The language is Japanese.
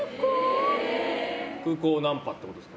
空港ナンパということですか？